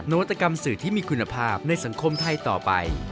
วัตกรรมสื่อที่มีคุณภาพในสังคมไทยต่อไป